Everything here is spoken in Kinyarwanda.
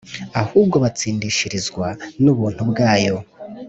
ahubwo batsindishirizwa n'ubuntu bwayo,